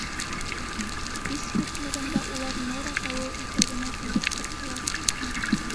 Һис көтмәгәндә улар Нора тауы итәгенә килеп сыҡтылар.